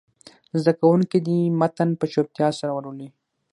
زده کوونکي دې متن په چوپتیا سره ولولي.